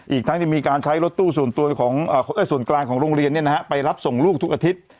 อีกทั้งที่มีการใช้รถตู้ส่วนกลางของโรงเรียนไปรับส่งลูกทุกอาทิตย์